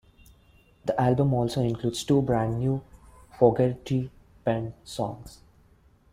The album also includes two brand-new Fogerty-penned songs.